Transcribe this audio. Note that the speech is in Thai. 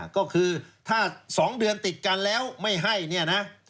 ก็คือถ้า๒เดือนติดกันแล้วไม่ให้